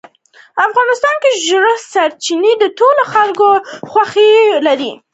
افغانستان کې ژورې سرچینې د ټولو خلکو د خوښې وړ یو ځای دی.